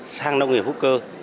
sang nông nghiệp hữu cơ